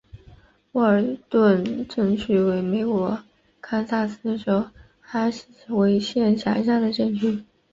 沃尔顿镇区为美国堪萨斯州哈维县辖下的镇区。